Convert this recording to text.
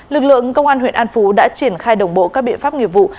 lực lượng công an huyện an phú đã triển khai đồng bộ các biện pháp nghiệp vụ